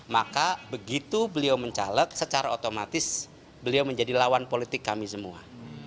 maka begitu beliau mencaleg secara otomatis beliau menjadi lawan politik kami semua